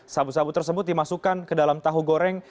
sabu sabu tersebut dimasukkan ke dalam tahu goreng